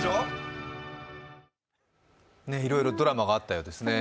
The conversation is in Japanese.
いろいろドラマがあったようですね。